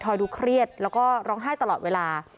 ดูเครียดแล้วก็ร้องไห้ตลอดเวลา